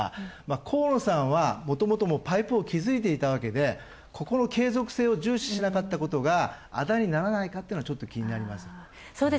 河野さんは、もともとパイプを築いていたわけで、ここの継続性を重視しなかったことがあだにならないかってことが、ちょっと気になります。